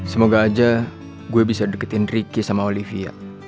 semoga aja gue bisa deketin ricky sama olivia